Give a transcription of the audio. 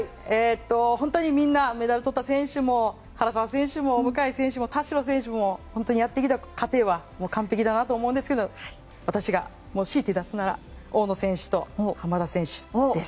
本当にみんなメダルとった選手も原沢選手も向選手も田代選手も本当にやってきた過程は完璧だと思うんですけど私が強いて出すなら大野選手と濱田選手です。